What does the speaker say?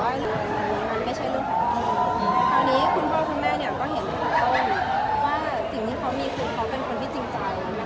ตอนนี้คุณพ่อคุณแม่เนี่ยก็เห็นตรงว่าสิ่งที่เขามีคือเขาเป็นคนที่จริงใจ